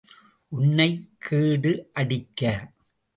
உன்னைக் கேடு அடிக்க.